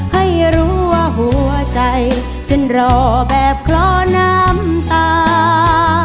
ให้รู้ว่าหัวใจฉันรอแบบคลอน้ำตา